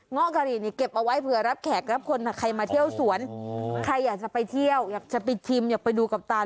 ้อกะหรี่นี่เก็บเอาไว้เผื่อรับแขกรับคนใครมาเที่ยวสวนใครอยากจะไปเที่ยวอยากจะไปชิมอยากไปดูกัปตัน